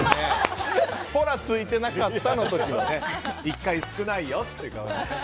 ほらついてなかったの時の１回少ないよって。